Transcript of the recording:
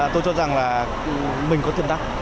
tôi cho rằng là mình có tiềm tắc